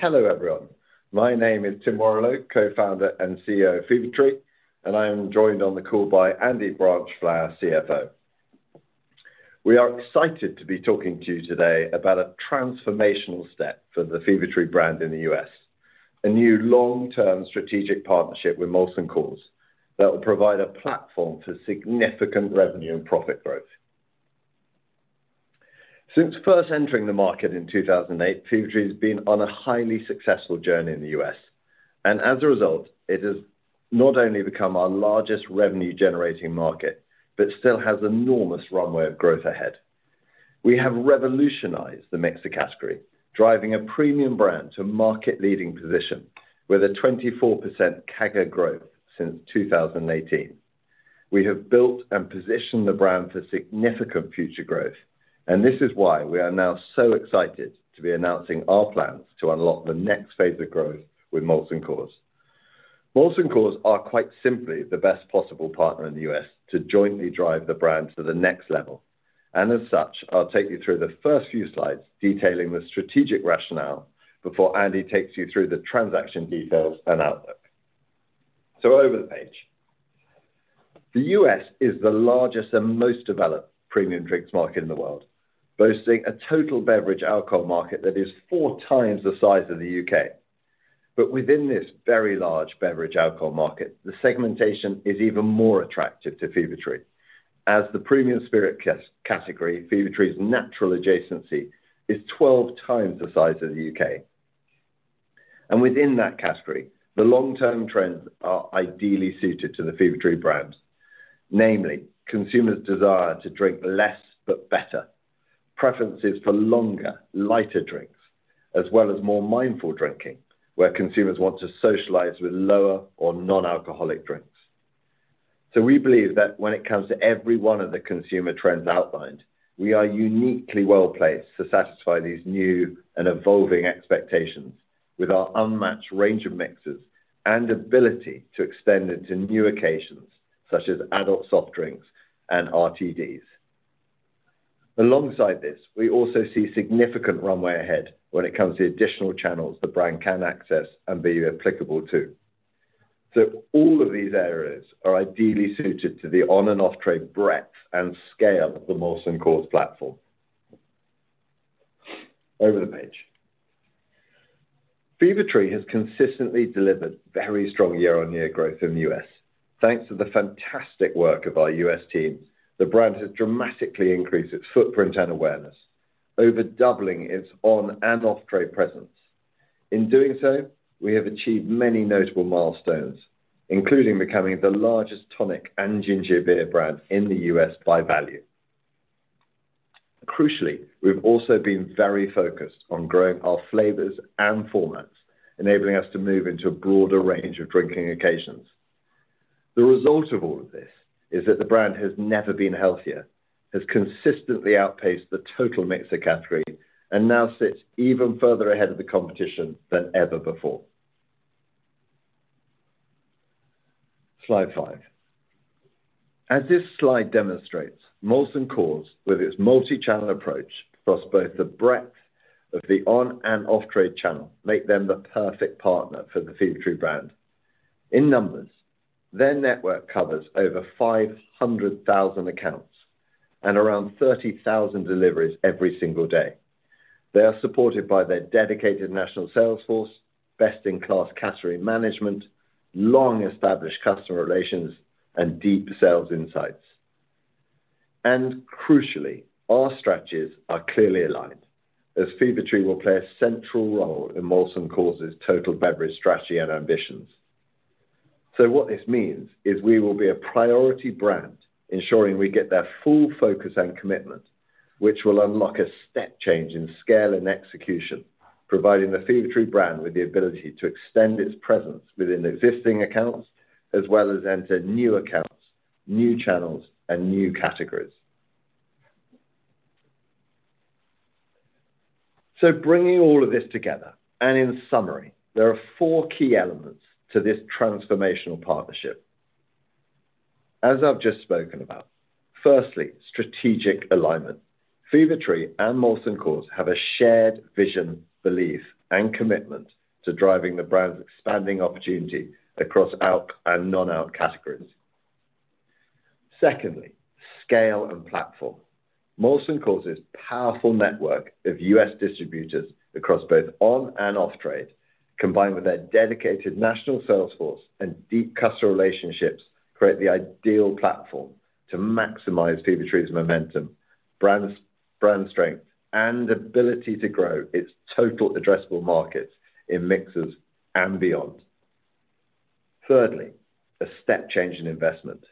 Hello, everyone. My name is Tim Warrillow, Co-founder and CEO of Fever-Tree, and I'm joined on the call by Andy Branchflower, CFO. We are excited to be talking to you today about a transformational step for the Fever-Tree brand in the U.S.: a new long-term strategic partnership with Molson Coors that will provide a platform for significant revenue and profit growth. Since first entering the market in 2008, Fever-Tree has been on a highly successful journey in the U.S., and as a result, it has not only become our largest revenue-generating market but still has an enormous runway of growth ahead. We have revolutionized the mix of categories, driving a premium brand to a market-leading position with a 24% CAGR growth since 2018. We have built and positioned the brand for significant future growth, and this is why we are now so excited to be announcing our plans to unlock the next phase of growth with Molson Coors. Molson Coors are quite simply the best possible partner in the U.S. to jointly drive the brand to the next level, and as such, I'll take you through the first few slides detailing the strategic rationale before Andy takes you through the transaction details and outlook. So, over the page. The U.S. is the largest and most developed premium drinks market in the world, boasting a total beverage alcohol market that is four times the size of the U.K. But within this very large beverage alcohol market, the segmentation is even more attractive to Fever-Tree, as the premium spirit category, Fever-Tree's natural adjacency, is 12 times the size of the U.K. And within that category, the long-term trends are ideally suited to the Fever-Tree brand, namely, consumers' desire to drink less but better, preferences for longer, lighter drinks, as well as more mindful drinking, where consumers want to socialize with lower or non-alcoholic drinks. So, we believe that when it comes to every one of the consumer trends outlined, we are uniquely well-placed to satisfy these new and evolving expectations with our unmatched range of mixes and ability to extend it to new occasions such as adult soft drinks and RTDs. Alongside this, we also see significant runway ahead when it comes to additional channels the brand can access and be applicable to. So, all of these areas are ideally suited to the on- and off-trade breadth and scale of the Molson Coors platform. Over the page. Fever-Tree has consistently delivered very strong year-on-year growth in the U.S. Thanks to the fantastic work of our U.S. team, the brand has dramatically increased its footprint and awareness, overdoubling its on- and off-trade presence. In doing so, we have achieved many notable milestones, including becoming the largest tonic and ginger beer brand in the U.S. by value. Crucially, we've also been very focused on growing our flavors and formats, enabling us to move into a broader range of drinking occasions. The result of all of this is that the brand has never been healthier, has consistently outpaced the total mixer category, and now sits even further ahead of the competition than ever before. Slide five. As this slide demonstrates, Molson Coors, with its multi-channel approach across both the breadth of the on- and off-trade channel, makes them the perfect partner for the Fever-tree brand. In numbers, their network covers over 500,000 accounts and around 30,000 deliveries every single day. They are supported by their dedicated national sales force, best-in-class category management, long-established customer relations, and deep sales insights. And crucially, our strategies are clearly aligned, as Fever-tree will play a central role in Molson Coors' total beverage strategy and ambitions. So, what this means is we will be a priority brand, ensuring we get their full focus and commitment, which will unlock a step change in scale and execution, providing the Fever-tree brand with the ability to extend its presence within existing accounts as well as enter new accounts, new channels, and new categories. So, bringing all of this together, and in summary, there are four key elements to this transformational partnership. As I've just spoken about, firstly, strategic alignment. Fever-tree and Molson Coors have a shared vision, belief, and commitment to driving the brand's expanding opportunity across off-trade and on-trade categories. Secondly, scale and platform. Molson Coors' powerful network of U.S. distributors across both on- and off-trade, combined with their dedicated national sales force and deep customer relationships, create the ideal platform to maximize Fever-Tree's momentum, brand strength, and ability to grow its total addressable markets in mixes and beyond. Thirdly, a step change in investment.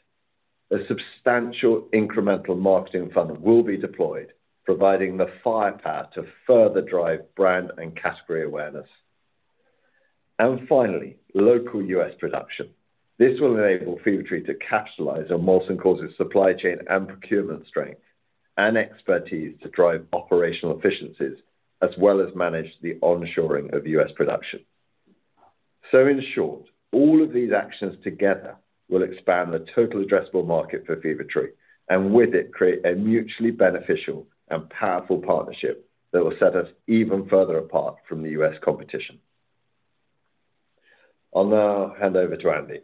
A substantial incremental marketing fund will be deployed, providing the firepower to further drive brand and category awareness. And finally, local U.S. production. This will enable Fever-Tree to capitalize on Molson Coors' supply chain and procurement strength and expertise to drive operational efficiencies as well as manage the onshoring of U.S. production. So, in short, all of these actions together will expand the total addressable market for Fever-Tree and, with it, create a mutually beneficial and powerful partnership that will set us even further apart from the U.S. competition. I'll now hand over to Andy.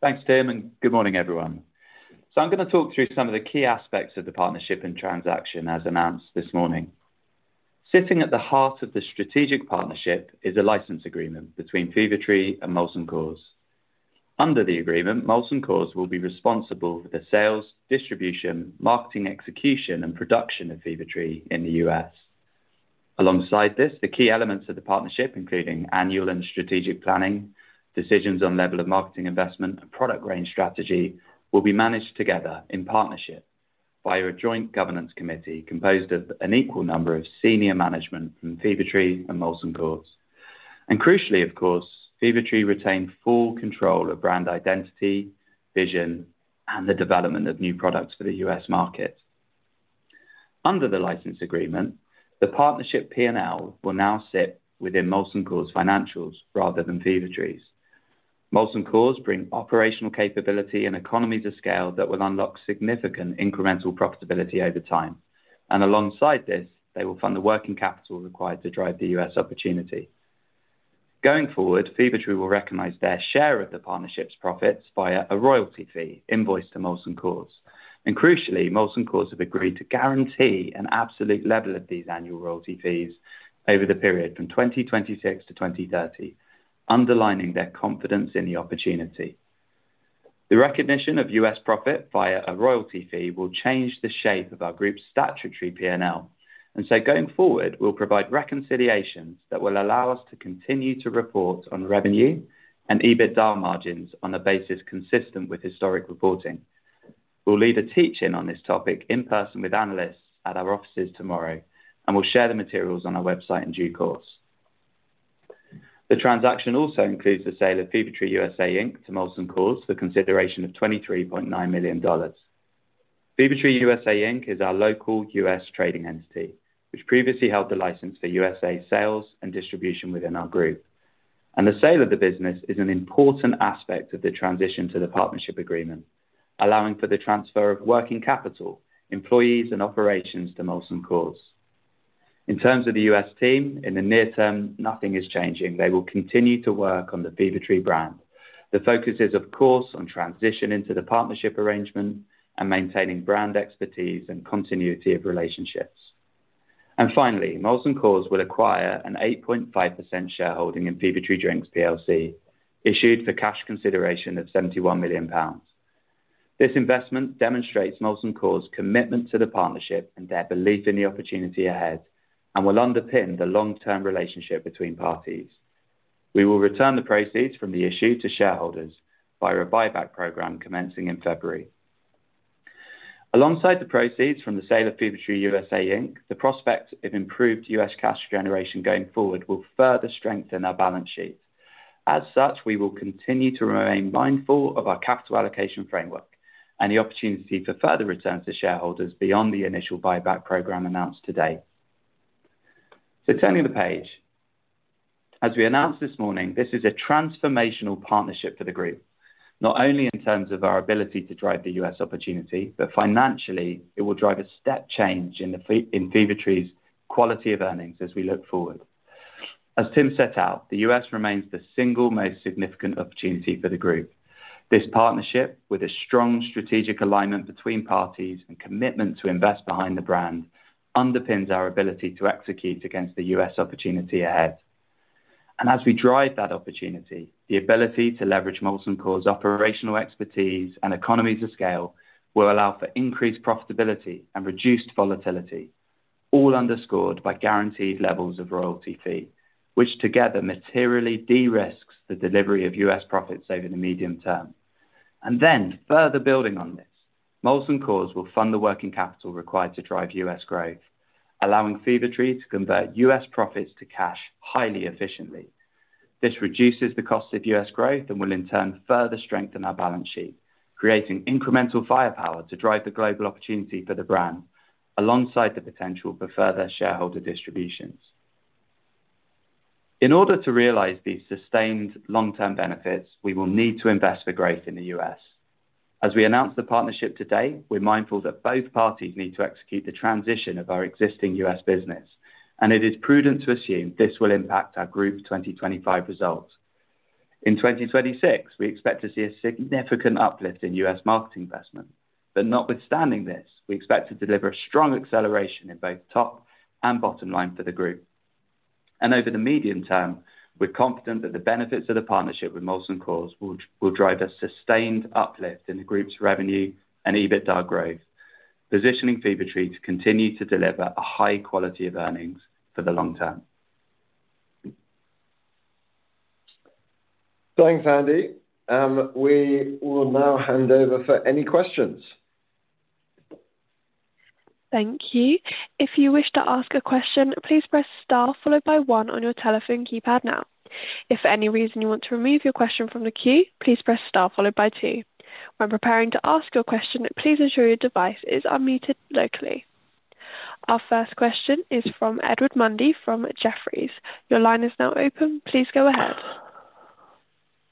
Thanks, Tim, and good morning, everyone. So, I'm going to talk through some of the key aspects of the partnership and transaction as announced this morning. Sitting at the heart of the strategic partnership is a license agreement between Fever-Tree and Molson Coors. Under the agreement, Molson Coors will be responsible for the sales, distribution, marketing execution, and production of Fever-Tree in the US. Alongside this, the key elements of the partnership, including annual and strategic planning, decisions on level of marketing investment, and product range strategy, will be managed together in partnership via a joint governance committee composed of an equal number of senior management from Fever-Tree and Molson Coors. And crucially, of course, Fever-Tree retains full control of brand identity, vision, and the development of new products for the US market. Under the license agreement, the partnership P&L will now sit within Molson Coors' financials rather than Fever-Tree's. Molson Coors brings operational capability and economies of scale that will unlock significant incremental profitability over time, and alongside this, they will fund the working capital required to drive the U.S. opportunity. Going forward, Fever-Tree will recognize their share of the partnership's profits via a royalty fee invoiced to Molson Coors. And crucially, Molson Coors have agreed to guarantee an absolute level of these annual royalty fees over the period from 2026 to 2030, underlining their confidence in the opportunity. The recognition of U.S. profit via a royalty fee will change the shape of our group's statutory P&L, and so going forward, we'll provide reconciliations that will allow us to continue to report on revenue and EBITDA margins on a basis consistent with historic reporting. We'll lead a teach-in on this topic in person with analysts at our offices tomorrow, and we'll share the materials on our website in due course. The transaction also includes the sale of Fever-tree USA Inc. to Molson Coors for consideration of $23.9 million. Fever-tree USA Inc. is our local U.S. trading entity, which previously held the license for USA sales and distribution within our group, and the sale of the business is an important aspect of the transition to the partnership agreement, allowing for the transfer of working capital, employees, and operations to Molson Coors. In terms of the U.S. team, in the near term, nothing is changing. They will continue to work on the Fever-Tree brand. The focus is, of course, on transitioning to the partnership arrangement and maintaining brand expertise and continuity of relationships. Finally, Molson Coors will acquire an 8.5% shareholding in Fever-tree Drinks PLC, issued for cash consideration of 71 million pounds. This investment demonstrates Molson Coors' commitment to the partnership and their belief in the opportunity ahead and will underpin the long-term relationship between parties. We will return the proceeds from the issue to shareholders via a buyback program commencing in February. Alongside the proceeds from the sale of Fever-tree USA Inc., the prospect of improved US cash generation going forward will further strengthen our balance sheet. As such, we will continue to remain mindful of our capital allocation framework and the opportunity for further returns to shareholders beyond the initial buyback program announced today. So, turning the page. As we announced this morning, this is a transformational partnership for the group, not only in terms of our ability to drive the U.S. opportunity, but financially, it will drive a step change in Fever-Tree's quality of earnings as we look forward. As Tim set out, the U.S. remains the single most significant opportunity for the group. This partnership, with a strong strategic alignment between parties and commitment to invest behind the brand, underpins our ability to execute against the U.S. opportunity ahead, and as we drive that opportunity, the ability to leverage Molson Coors' operational expertise and economies of scale will allow for increased profitability and reduced volatility, all underscored by guaranteed levels of royalty fee, which together materially de-risk the delivery of U.S. profits over the medium term. And then, further building on this, Molson Coors will fund the working capital required to drive U.S. growth, allowing Fever-Tree to convert U.S. profits to cash highly efficiently. This reduces the cost of U.S. growth and will, in turn, further strengthen our balance sheet, creating incremental firepower to drive the global opportunity for the brand, alongside the potential for further shareholder distributions. In order to realize these sustained long-term benefits, we will need to invest for growth in the U.S. As we announced the partnership today, we're mindful that both parties need to execute the transition of our existing U.S. business, and it is prudent to assume this will impact our group 2025 results. In 2026, we expect to see a significant uplift in U.S. market investment, but notwithstanding this, we expect to deliver a strong acceleration in both top and bottom line for the group. Over the medium term, we're confident that the benefits of the partnership with Molson Coors will drive a sustained uplift in the group's revenue and EBITDA growth, positioning Fever-tree to continue to deliver a high quality of earnings for the long term. Thanks, Andy. We will now hand over for any questions. Thank you. If you wish to ask a question, please press Star followed by One on your telephone keypad now. If for any reason you want to remove your question from the queue, please press Star followed by Two. When preparing to ask your question, please ensure your device is unmuted locally. Our first question is from Edward Mundy from Jefferies. Your line is now open. Please go ahead.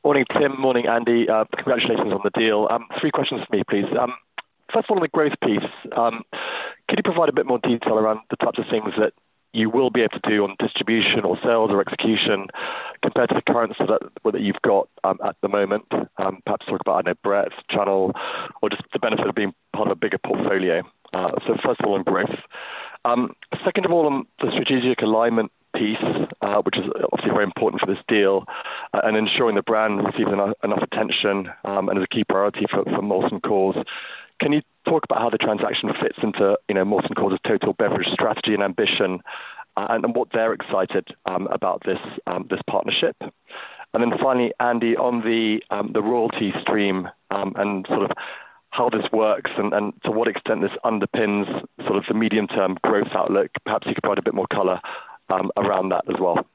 Morning, Tim. Morning, Andy. Congratulations on the deal. Three questions for me, please. First of all, on the growth piece, could you provide a bit more detail around the types of things that you will be able to do on distribution or sales or execution compared to the current setup that you've got at the moment? Perhaps talk about a net breadth channel or just the benefit of being part of a bigger portfolio. So, first of all, on growth. Second of all, on the strategic alignment piece, which is obviously very important for this deal, and ensuring the brand receives enough attention and is a key priority for Molson Coors. Can you talk about how the transaction fits into Molson Coors' total beverage strategy and ambition and what they're excited about this partnership? And then finally, Andy, on the royalty stream and sort of how this works and to what extent this underpins sort of the medium-term growth outlook? Perhaps you could provide a bit more color around that as well.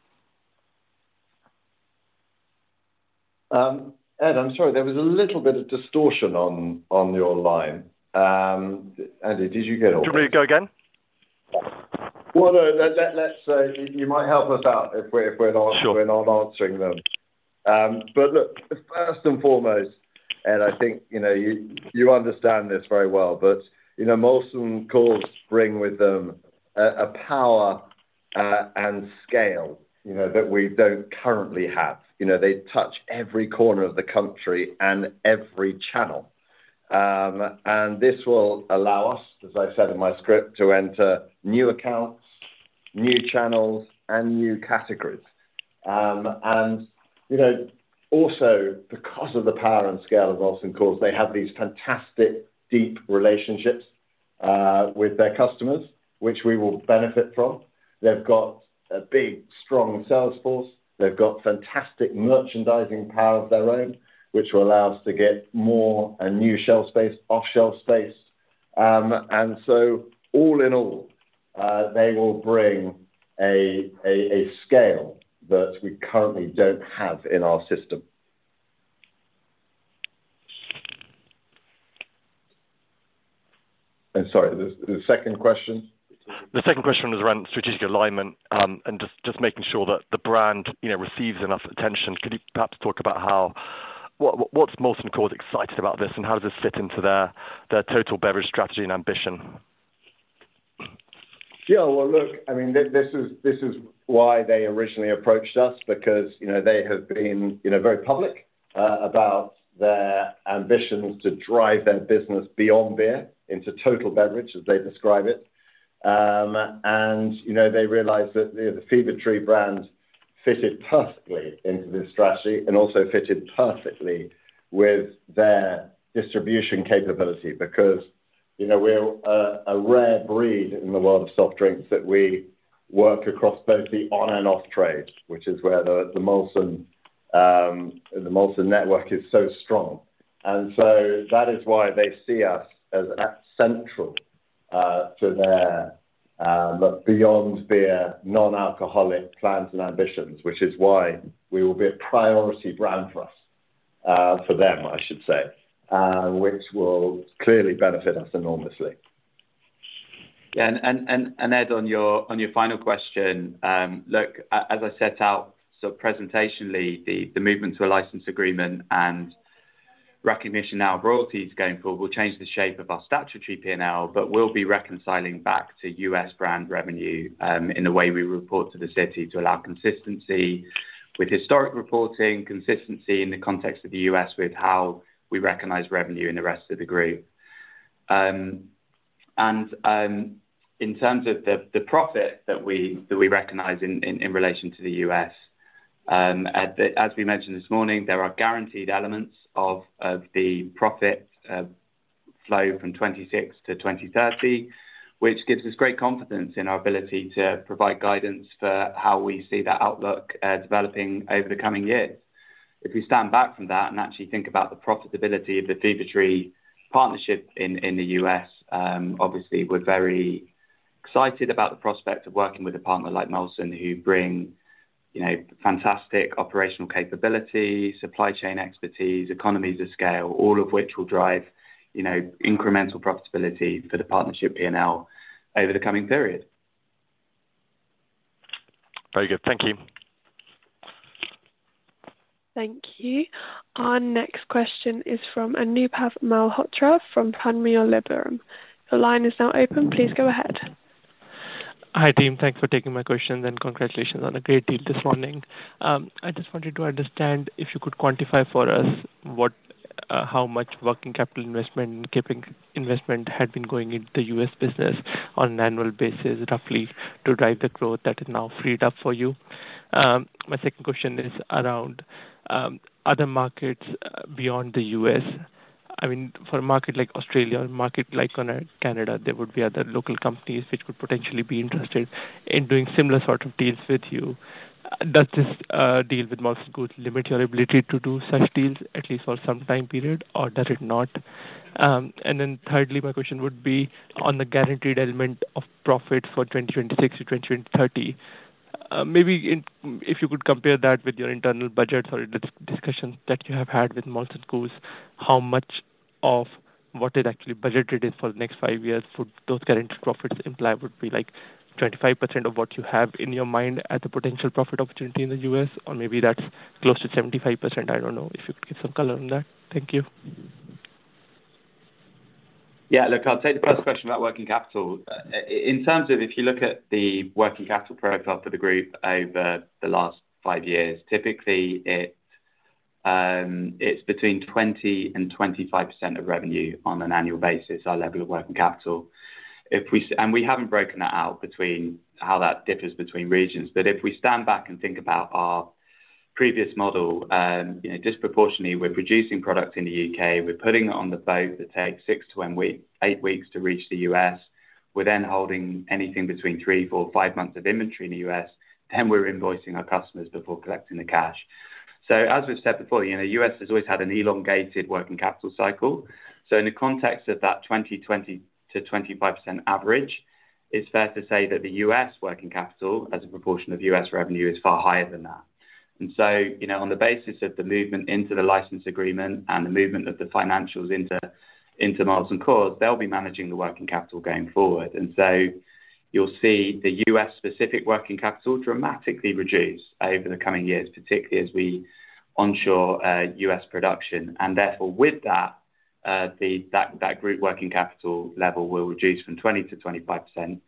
Ed, I'm sorry, there was a little bit of distortion on your line. Andy, did you get it? Did we go again? No, you might help us out if we're not answering them. Look, first and foremost, Ed, I think you understand this very well, but Molson Coors bring with them a power and scale that we don't currently have. They touch every corner of the country and every channel. This will allow us, as I said in my script, to enter new accounts, new channels, and new categories. Also, because of the power and scale of Molson Coors, they have these fantastic deep relationships with their customers, which we will benefit from. They've got a big, strong sales force. They've got fantastic merchandising power of their own, which will allow us to get more new shelf space, off-shelf space. So, all in all, they will bring a scale that we currently don't have in our system. Sorry, the second question. The second question was around strategic alignment and just making sure that the brand receives enough attention. Could you perhaps talk about what's Molson Coors excited about this and how does this fit into their total beverage strategy and ambition? Yeah, well, look, I mean, this is why they originally approached us, because they have been very public about their ambitions to drive their business beyond beer into total beverage, as they describe it. And they realized that the Fever-tree brand fit perfectly into this strategy and also fit perfectly with their distribution capability, because we're a rare breed in the world of soft drinks that we work across both the on- and off-trade, which is where the Molson network is so strong. And so that is why they see us as central to their beyond beer non-alcoholic plans and ambitions, which is why we will be a priority brand for us, for them, I should say, which will clearly benefit us enormously. Yeah, and Ed, on your final question, look, as I set out, so presentationally, the movement to a license agreement and recognition of our royalties going forward will change the shape of our statutory P&L, but we'll be reconciling back to U.S. brand revenue in the way we report to the city to allow consistency with historic reporting, consistency in the context of the U.S. with how we recognize revenue in the rest of the group, and in terms of the profit that we recognize in relation to the U.S., as we mentioned this morning, there are guaranteed elements of the profit flow from 2026 to 2030, which gives us great confidence in our ability to provide guidance for how we see that outlook developing over the coming years. If we stand back from that and actually think about the profitability of the Fever-Tree partnership in the U.S., obviously, we're very excited about the prospect of working with a partner like Molson who brings fantastic operational capability, supply chain expertise, economies of scale, all of which will drive incremental profitability for the partnership P&L over the coming period. Very good. Thank you. Thank you. Our next question is from Anubhav Malhotra from Panmure Liberum. Your line is now open. Please go ahead. Hi, Tim. Thanks for taking my question and congratulations on a great deal this morning. I just wanted to understand if you could quantify for us how much working capital investment and CapEx investment had been going into the U.S. business on an annual basis, roughly, to drive the growth that is now freed up for you. My second question is around other markets beyond the U.S. I mean, for a market like Australia or a market like Canada, there would be other local companies which would potentially be interested in doing similar sort of deals with you. Does this deal with Molson Coors limit your ability to do such deals, at least for some time period, or does it not? And then thirdly, my question would be on the guaranteed element of profit for 2026 to 2030. Maybe if you could compare that with your internal budgets or discussions that you have had with Molson Coors, how much of what is actually budgeted for the next five years would those guaranteed profits imply would be like 25% of what you have in your mind as a potential profit opportunity in the U.S., or maybe that's close to 75%? I don't know if you could get some color on that. Thank you. Yeah, look, I'll take the first question about working capital. In terms of if you look at the working capital profile for the group over the last five years, typically, it's between 20%-25% of revenue on an annual basis, our level of working capital, and we haven't broken that out between how that differs between regions, but if we stand back and think about our previous model, disproportionately, we're producing product in the U.K. We're putting it on the boat that takes six to eight weeks to reach the U.S. We're then holding anything between three, four, five months of inventory in the U.S., then we're invoicing our customers before collecting the cash, so as we've said before, the U.S. has always had an elongated working capital cycle. In the context of that 20%-25% average, it's fair to say that the U.S. working capital, as a proportion of U.S. revenue, is far higher than that. And so on the basis of the movement into the license agreement and the movement of the financials into Molson Coors, they'll be managing the working capital going forward. And so you'll see the U.S.-specific working capital dramatically reduce over the coming years, particularly as we onshore U.S. production. And therefore, with that, that group working capital level will reduce from 20%-25%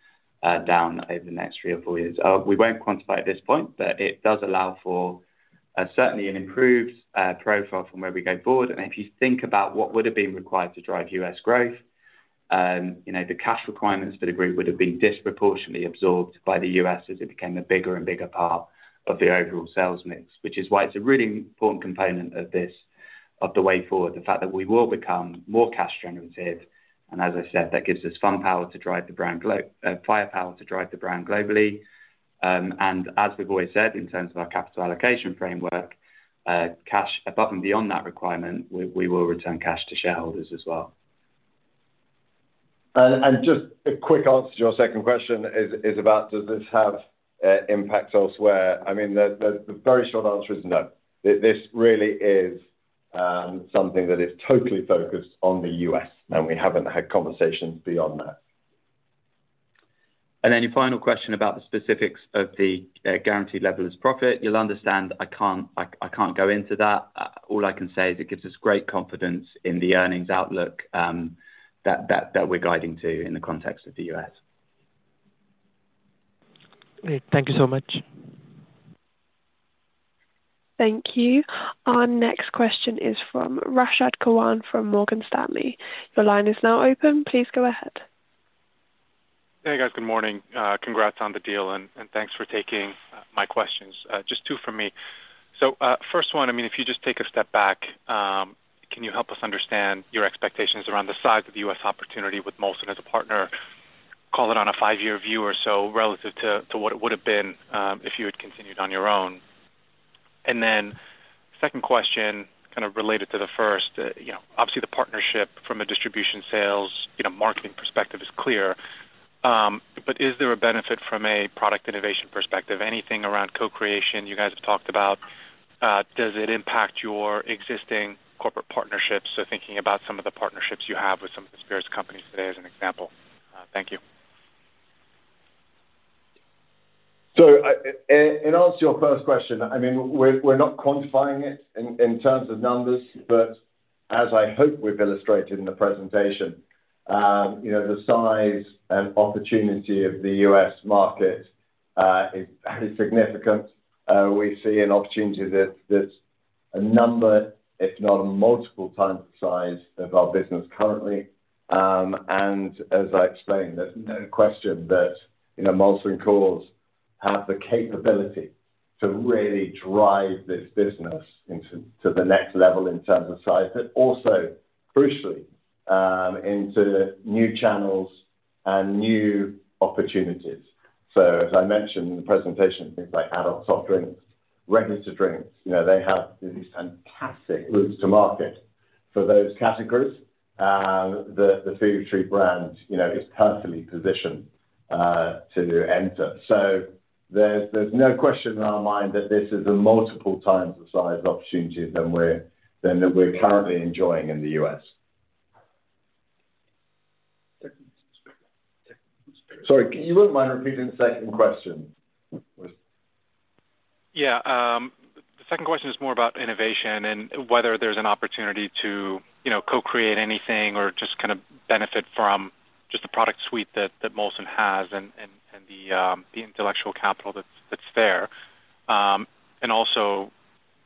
down over the next three or four years. We won't quantify at this point, but it does allow for certainly an improved profile from where we go forward. And if you think about what would have been required to drive U.S. growth, the cash requirements for the group would have been disproportionately absorbed by the U.S. as it became a bigger and bigger part of the overall sales mix, which is why it's a really important component of the way forward, the fact that we will become more cash-generative. And as I said, that gives us firepower to drive the brand, firepower to drive the brand globally. And as we've always said, in terms of our capital allocation framework, above and beyond that requirement, we will return cash to shareholders as well. And just a quick answer to your second question is about does this have impact elsewhere? I mean, the very short answer is no. This really is something that is totally focused on the U.S., and we haven't had conversations beyond that. And then your final question about the specifics of the guaranteed level as profit, you'll understand I can't go into that. All I can say is it gives us great confidence in the earnings outlook that we're guiding to in the context of the U.S. Thank you so much. Thank you. Our next question is from Rashad Kawan from Morgan Stanley. Your line is now open. Please go ahead. Hey, guys. Good morning. Congrats on the deal, and thanks for taking my questions. Just two from me, so first one, I mean, if you just take a step back, can you help us understand your expectations around the size of the U.S. opportunity with Molson as a partner? Call it on a five-year view or so relative to what it would have been if you had continued on your own, and then second question, kind of related to the first, obviously, the partnership from a distribution, sales, marketing perspective is clear, but is there a benefit from a product innovation perspective? Anything around co-creation you guys have talked about? Does it impact your existing corporate partnerships, so thinking about some of the partnerships you have with some of the spirits companies today as an example. Thank you. So in answer to your first question, I mean, we're not quantifying it in terms of numbers, but as I hope we've illustrated in the presentation, the size and opportunity of the U.S. market is very significant. We see an opportunity that's a number, if not a multiple times the size of our business currently. And as I explained, there's no question that Molson Coors has the capability to really drive this business to the next level in terms of size, but also crucially into new channels and new opportunities. So as I mentioned in the presentation, things like adult soft drinks, regular drinks, they have these fantastic routes to market for those categories. The Fever-Tree brand is perfectly positioned to enter. So there's no question in our mind that this is a multiple times the size opportunity than we're currently enjoying in the U.S. Sorry, you wouldn't mind repeating the second question? Yeah. The second question is more about innovation and whether there's an opportunity to co-create anything or just kind of benefit from just the product suite that Molson has and the intellectual capital that's there. And also,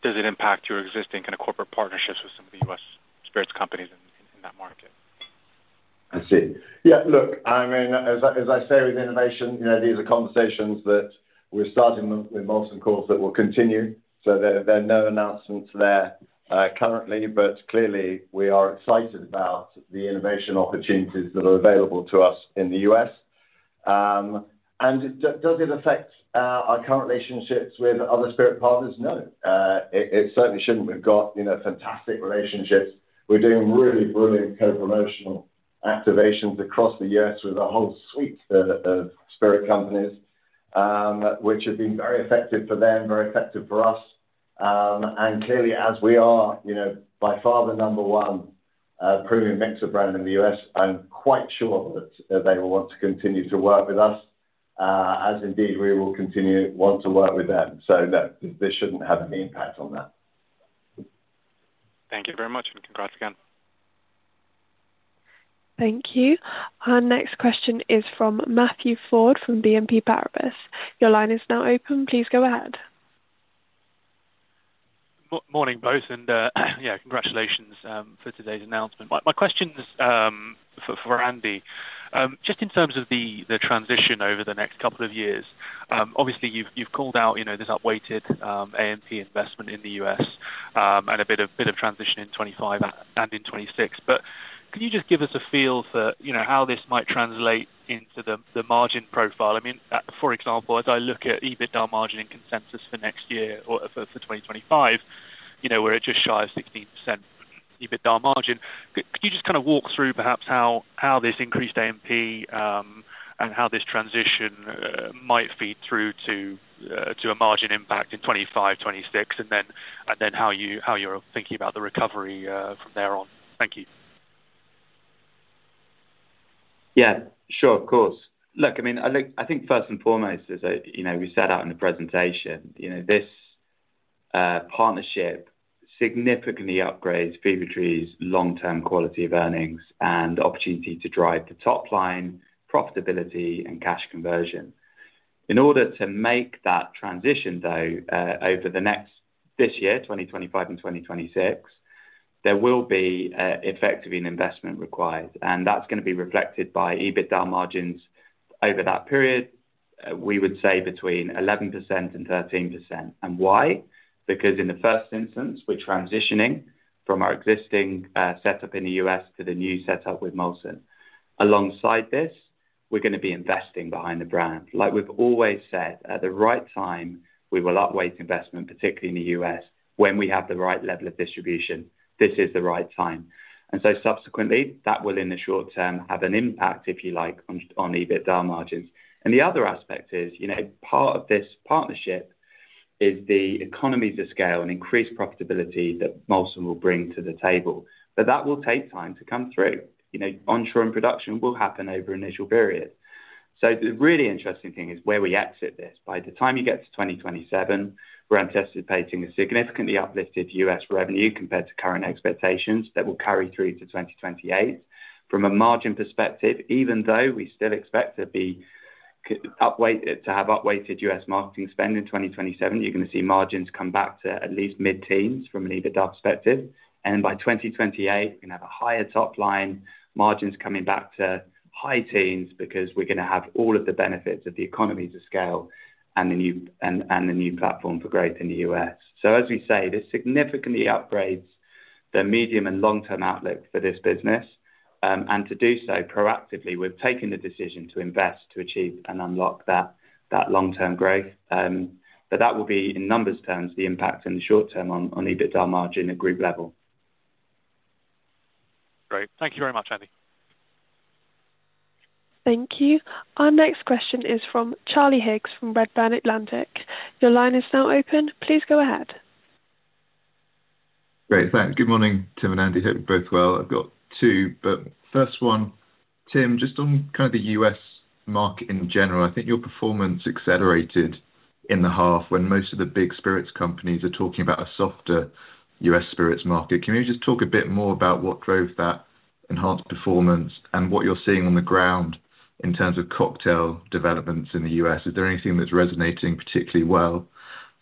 does it impact your existing kind of corporate partnerships with some of the U.S. spirits companies in that market? I see. Yeah, look, I mean, as I say with innovation, these are conversations that we're starting with Molson Coors that will continue. So there are no announcements there currently, but clearly, we are excited about the innovation opportunities that are available to us in the U.S. And does it affect our current relationships with other spirit partners? No. It certainly shouldn't. We've got fantastic relationships. We're doing really brilliant co-promotional activations across the U.S. with a whole suite of spirit companies, which have been very effective for them, very effective for us. And clearly, as we are by far the number one premium mixer brand in the U.S., I'm quite sure that they will want to continue to work with us, as indeed we will continue to want to work with them. So this shouldn't have any impact on that. Thank you very much, and congrats again. Thank you. Our next question is from Matthew Ford from BNP Paribas. Your line is now open. Please go ahead. Morning, both. And yeah, congratulations for today's announcement. My question for Andy, just in terms of the transition over the next couple of years, obviously, you've called out this outweighed AMP investment in the U.S. and a bit of transition in 2025 and in 2026. But can you just give us a feel for how this might translate into the margin profile? I mean, for example, as I look at EBITDA margin in consensus for next year or for 2025, where it's just shy of 16% EBITDA margin, could you just kind of walk through perhaps how this increased AMP and how this transition might feed through to a margin impact in 2025, 2026, and then how you're thinking about the recovery from there on? Thank you. Yeah, sure, of course. Look, I mean, I think first and foremost, as we said out in the presentation, this partnership significantly upgrades Fever-Tree's long-term quality of earnings and opportunity to drive the top line profitability and cash conversion. In order to make that transition, though, over this year, 2025 and 2026, there will be effectively an investment required. And that's going to be reflected by EBITDA margins over that period, we would say between 11% and 13%. And why? Because in the first instance, we're transitioning from our existing setup in the U.S. to the new setup with Molson. Alongside this, we're going to be investing behind the brand. Like we've always said, at the right time, we will outweigh investment, particularly in the U.S., when we have the right level of distribution. This is the right time. And so subsequently, that will, in the short term, have an impact, if you like, on EBITDA margins. And the other aspect is part of this partnership is the economies of scale and increased profitability that Molson will bring to the table. But that will take time to come through. Onshoring production will happen over an initial period. So the really interesting thing is where we exit this. By the time you get to 2027, we're anticipating a significantly uplifted U.S. revenue compared to current expectations that will carry through to 2028. From a margin perspective, even though we still expect to have elevated U.S. marketing spend in 2027, you're going to see margins come back to at least mid-teens from an EBITDA perspective. And by 2028, we're going to have higher top line margins coming back to high teens% because we're going to have all of the benefits of the economies of scale and the new platform for growth in the U.S. So as we say, this significantly upgrades the medium and long-term outlook for this business. And to do so proactively, we've taken the decision to invest to achieve and unlock that long-term growth. But that will be, in numbers terms, the impact in the short term on EBITDA margin at group level. Great. Thank you very much, Andy. Thank you. Our next question is from Charlie Higgs from Redburn Atlantic. Your line is now open. Please go ahead. Great. Thanks. Good morning, Tim and Andy. Hope you're both well. I've got two, but first one, Tim, just on kind of the U.S. market in general, I think your performance accelerated in the half when most of the big spirits companies are talking about a softer U.S. spirits market. Can you just talk a bit more about what drove that enhanced performance and what you're seeing on the ground in terms of cocktail developments in the U.S.? Is there anything that's resonating particularly well?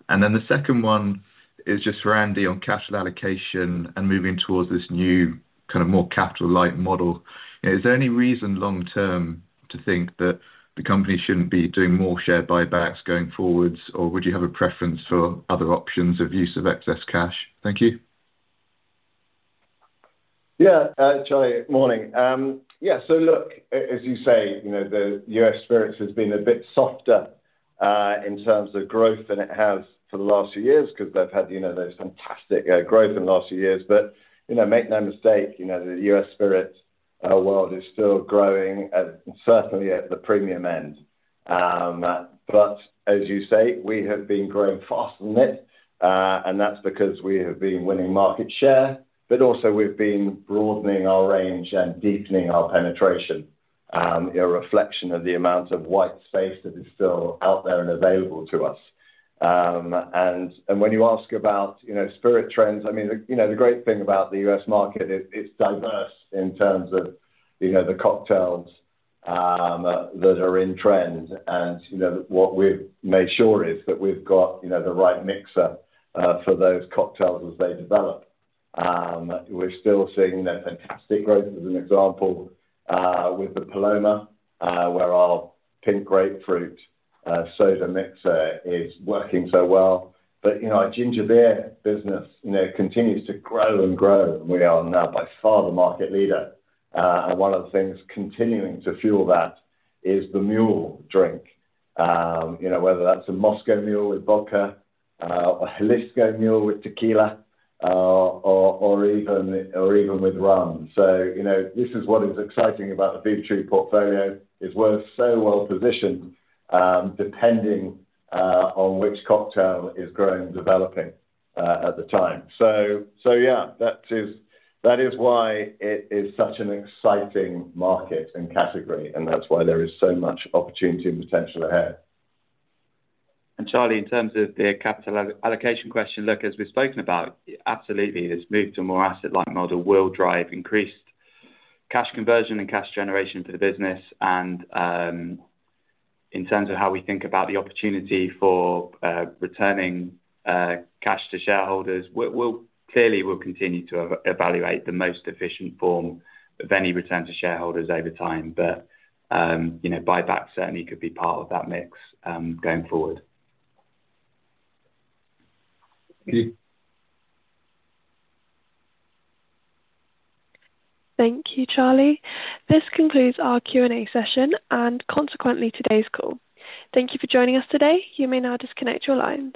And then the second one is just for Andy on capital allocation and moving towards this new kind of more capital-light model. Is there any reason long-term to think that the company shouldn't be doing more share buybacks going forward, or would you have a preference for other options of use of excess cash? Thank you. Yeah, Charlie, morning. Yeah, so look, as you say, the U.S. spirits has been a bit softer in terms of growth than it has for the last few years because they've had this fantastic growth in the last few years, but make no mistake, the U.S. spirits world is still growing, certainly at the premium end, but as you say, we have been growing fast in it, and that's because we have been winning market share, but also we've been broadening our range and deepening our penetration, a reflection of the amount of white space that is still out there and available to us, and when you ask about spirit trends, I mean, the great thing about the U.S. market is it's diverse in terms of the cocktails that are in trend, and what we've made sure is that we've got the right mixer for those cocktails as they develop. We're still seeing fantastic growth, as an example, with the Paloma, where our pink grapefruit soda mixer is working so well. But our ginger beer business continues to grow and grow. We are now by far the market leader. And one of the things continuing to fuel that is the mule drink, whether that's a Moscow Mule with vodka, a Jalisco Mule with tequila, or even with rum. So this is what is exciting about the Fever-tree portfolio. It's so well positioned depending on which cocktail is growing and developing at the time. So yeah, that is why it is such an exciting market and category, and that's why there is so much opportunity and potential ahead. And Charlie, in terms of the capital allocation question, look, as we've spoken about, absolutely, this move to a more asset-light model will drive increased cash conversion and cash generation for the business. And in terms of how we think about the opportunity for returning cash to shareholders, clearly, we'll continue to evaluate the most efficient form of any return to shareholders over time. But buyback certainly could be part of that mix going forward. Thank you. Thank you, Charlie. This concludes our Q&A session and consequently today's call. Thank you for joining us today. You may now disconnect your lines.